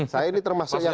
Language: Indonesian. saya ini termasuk yang